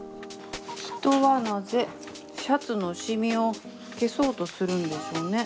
人はなぜシャツのシミを消そうとするんでしょうね。